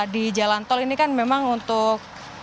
di jalan tol ini kan memang untuk